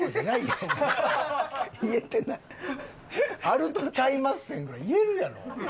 あるとちゃいまっせんぐらい言えるやろ。